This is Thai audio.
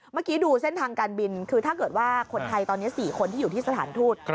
เมื่อกี้ดูเส้นทางการบินคือถ้าเกิดว่าคนไทยตอนนี้๔คนที่อยู่ที่สถานทูต